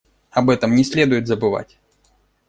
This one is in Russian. Об этом не следует забывать.